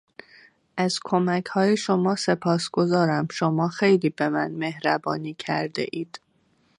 از کمکهای شما سپاسگزارم شما خیلی به من مهربانی کردهاید.